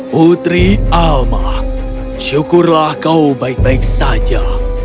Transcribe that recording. putri alma syukurlah kau baik baik saja